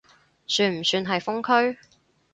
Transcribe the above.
算唔算係封區？